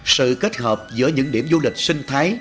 sự kết hợp giữa những điểm du lịch sinh thái